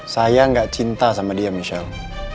saya gak cinta sama dia michelle